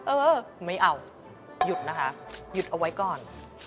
เออไม่เอาหยุดนะคะหยุดเอาไว้ก่อน